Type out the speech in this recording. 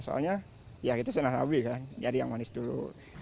soalnya ya itu senang nabi kan nyari yang manis dulu